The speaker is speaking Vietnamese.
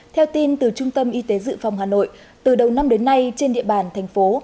theo tin từ trung tâm y tế dự phòng hà nội từ đầu năm đến nay trên địa bàn thành phố